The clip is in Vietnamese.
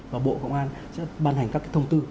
và bộ công an sẽ ban hành các thông tư